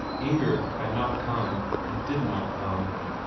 Inger had not come, and did not come.